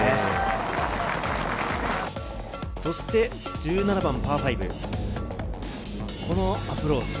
そして１７番パー５、このアプローチ。